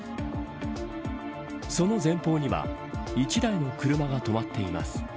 その前方には、１台の車が止まっています。